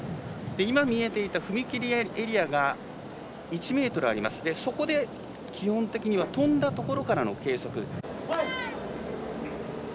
見えていた踏切エリアが１ｍありまして、そこで基本的には跳んだところからの計測です。